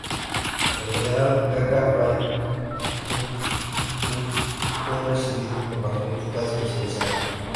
En general, "Gaga: Five Foot Two" fue bien recibido por la crítica especializada.